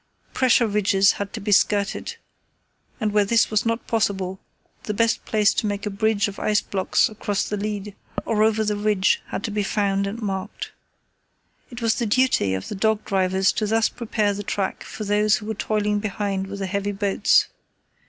Pressure ridges had to be skirted, and where this was not possible the best place to make a bridge of ice blocks across the lead or over the ridge had to be found and marked. It was the duty of the dog drivers to thus prepare the track for those who were toiling behind with the heavy boats.